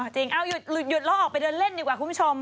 จริงเอ้าหยุดเราออกไปเดินเล่นดีกว่าคุณผู้ชม